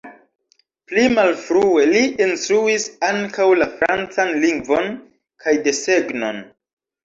Pli malfrue li instruis ankaŭ la francan lingvon kaj desegnon.